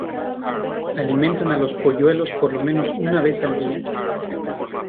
Alimentan a los polluelos por lo menos una vez al día.